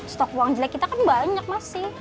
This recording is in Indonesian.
stok uang jelek kita kan banyak masih